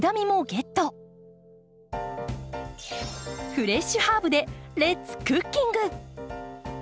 フレッシュハーブでレッツクッキング！